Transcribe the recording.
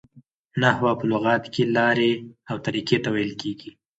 نحوه په لغت کښي لاري او طریقې ته ویل کیږي.